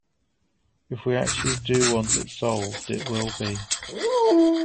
If we actually do want it solved, it will be.